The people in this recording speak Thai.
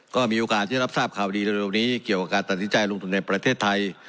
ก็มีโอกาสที่รับทราบข่าวดีเร็วนี้เกี่ยวกับการตัดสินใจลงทุนในประเทศไทย